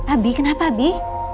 abi kenapa abi